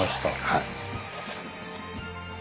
はい。